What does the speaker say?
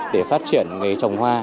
để phát triển trồng hoa